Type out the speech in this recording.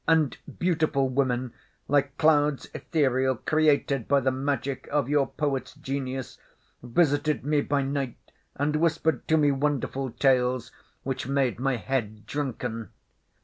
And beautiful women, like clouds ethereal, created by the magic of your poets' genius, visited me by night and whispered to me wonderful tales, which made my head drunken.